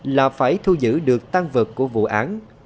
là phải thu giữ được tăng vật của vụ án